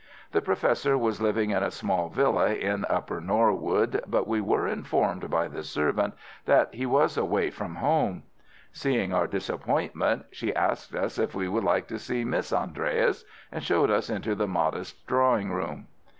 The Professor was living in a small villa in Upper Norwood, but we were informed by the servant that he was away from home. Seeing our disappointment, she asked us if we should like to see Miss Andreas, and showed us into the modest drawing room.